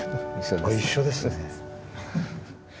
一緒ですね。